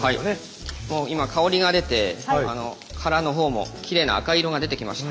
今香りが出て殻の方もきれいな赤色が出てきました。